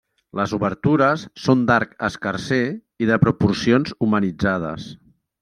Les obertures són d'arc escarser i de proporcions humanitzades.